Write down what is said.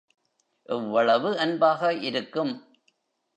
எவ்வளவு அன்பாக இருக்கும்!